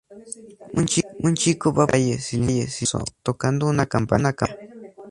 Un chico va por la calle, silencioso, tocando una campanilla.